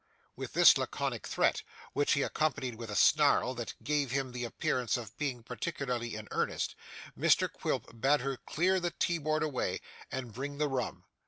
With this laconic threat, which he accompanied with a snarl that gave him the appearance of being particularly in earnest, Mr Quilp bade her clear the teaboard away, and bring the rum.